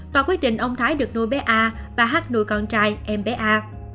tòa quyết định ông thái được nuôi bé a bà hắc nuôi con trai em bé a